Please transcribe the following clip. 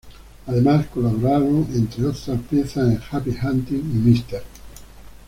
Además, colaboraron, entre otras piezas, en "Happy Hunting" y "Mr.